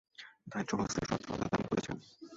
দারিদ্রাবস্থায় স্বচ্ছলতা দান করেছেন।